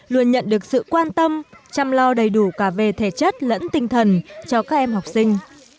luôn nhận được sự quan tâm chăm lo đầy đủ cả về thể chất lẫn tinh thần cho các em học sinh